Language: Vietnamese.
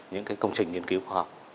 những công trình nghiên cứu khoa học